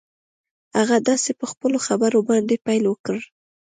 هغه داسې په خپلو خبرو باندې پيل وکړ.